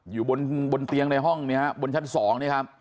อยู่บนเตียงมณะห้องบนชั้น๒